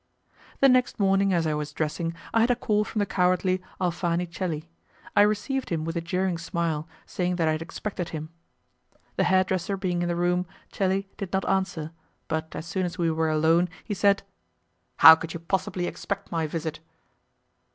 The next morning as I was dressing I had a call from the cowardly Alfani Celi; I received him with a jeering smile, saying that I had expected him. The hair dresser being in the room Celi did not answer, but as soon as we were alone he said, "How could you possibly expect my visit?"